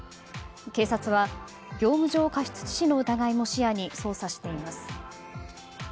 警察は業務上過失致死の疑いも視野に捜査しています。